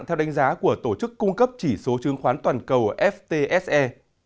theo đánh giá của tổ chức cung cấp chỉ số chứng khoán toàn cầu ftse